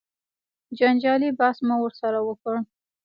جنجالي بحث مو ورسره وکړ.